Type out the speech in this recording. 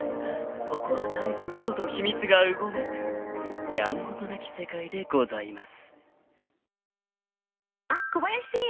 ［ここは絶えず秘密と嘘がうごめくやんごとなき世界でございます］